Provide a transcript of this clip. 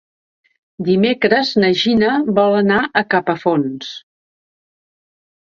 Dimecres na Gina vol anar a Capafonts.